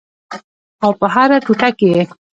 او په هره ټوټه کې یې